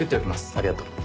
ありがとう。